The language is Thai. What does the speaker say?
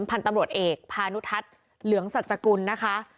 พันธรรมดรเอกพานุทัศน์เหลืองศรัชกุลนะคะ